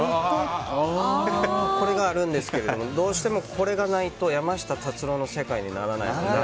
これがあるんですがどうしてもこれがないと山下達郎の世界にならないので。